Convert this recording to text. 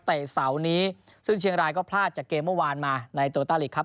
เสาร์นี้ซึ่งเชียงรายก็พลาดจากเกมเมื่อวานมาในโตต้าลีกครับ